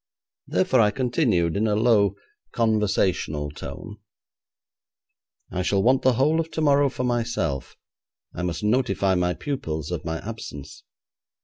Therefore I continued in a low conversational tone: 'I shall want the whole of tomorrow for myself: I must notify my pupils of my absence.